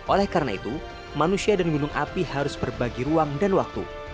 oleh karena itu manusia dan gunung api harus berbagi ruang dan waktu